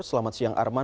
selamat siang arman